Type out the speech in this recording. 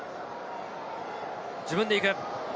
自分で行く。